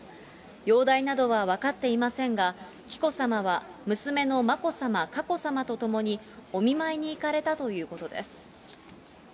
容体などは分かっていませんが、紀子さまは、娘の眞子さま、佳子さまと共に、お見舞いに行かれたということです。